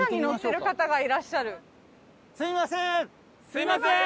すみません！